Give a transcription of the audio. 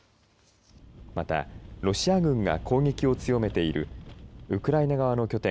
また、ロシア軍が攻撃を強めているウクライナ側の拠点